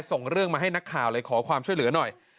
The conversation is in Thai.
ส่งเรื่องมาให้นักข่าวเลยขอความช่วยเหลือหน่อย